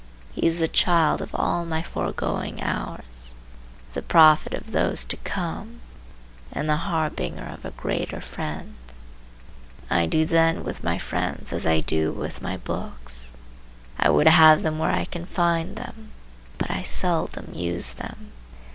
He is the child of all my foregoing hours, the prophet of those to come, and the harbinger of a greater friend. I do then with my friends as I do with my books. I would have them where I can find them, but I seldom use them.